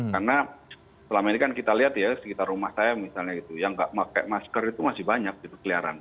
karena selama ini kan kita lihat ya sekitar rumah saya misalnya gitu yang nggak pakai masker itu masih banyak gitu keliaran